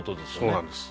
そうなんです